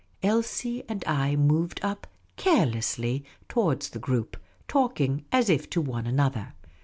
Elsie and I moved up carelessly towards the group, talking as if to one another.